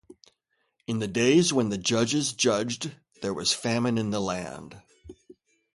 In the days when the judges judged, there was a famine in the land.